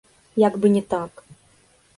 Як бы не так!